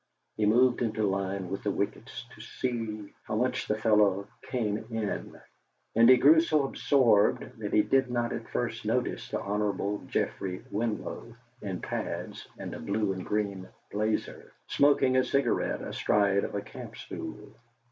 He moved into line with the wickets to see how much the fellow "came in," and he grew so absorbed that he did not at first notice the Hon. Geoffrey Winlow in pads and a blue and green blazer, smoking a cigarette astride of a camp stool.